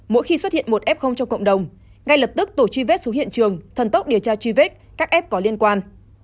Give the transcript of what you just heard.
mỗi khi xuất hiện một f cho cộng đồng ngay lập tức tổ chi vết xuống hiện trường thần tốc điều tra chi vết các f có liên quan